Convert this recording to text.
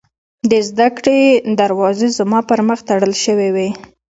د زدکړې دروازې زما پر مخ تړل شوې وې